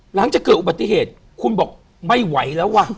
หลังจากเกิดอุบัติเหตุคุณบอกไม่ไหวแล้วว่ะ